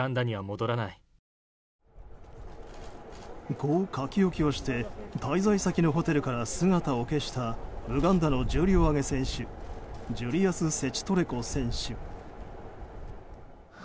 こう書き置きをして滞在先のホテルから姿を消したウガンダの重量挙げ選手ジュリアス・セチトレコ選手。